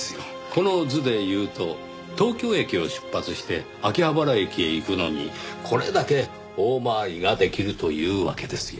この図でいうと東京駅を出発して秋葉原駅へ行くのにこれだけ大回りができるというわけですよ。